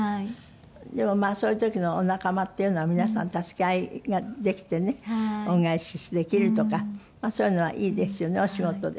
でもそういう時のお仲間っていうのは皆さん助け合いができてね恩返しできるとかそういうのはいいですよねお仕事で。